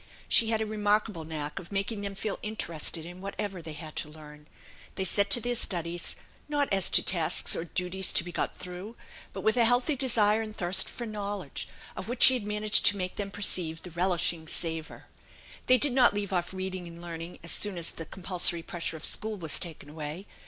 She had a remarkable knack of making them feel interested in whatever they had to learn. They set to their studies, not as to tasks or duties to be got through, but with a healthy desire and thirst for knowledge, of which she had managed to make them perceive the relishing savour. They did not leave off reading and learning as soon as the compulsory pressure of school was taken away.